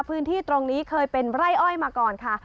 พื้นที่ตรงนี้เคยเป็นไร่อ้อยมาก่อนค่ะ